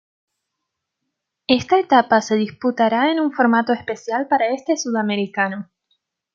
Esta etapa se disputará en un formato especial para este Sudamericano.